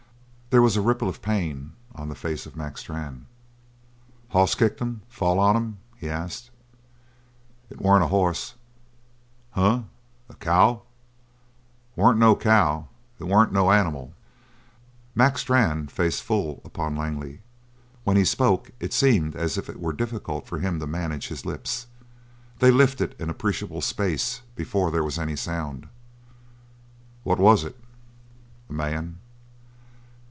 There was a ripple of pain on the face of Mac Strann. "Hoss kicked him fall on him?" he asked. "It weren't a hoss." "Huh? A cow?" "It weren't no cow. It weren't no animal." Mac Strann faced full upon Langley. When he spoke it seemed as if it were difficult for him to manage his lips. They lifted an appreciable space before there was any sound. "What was it?" "A man."